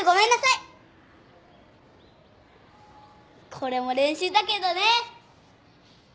これも練習だけどね。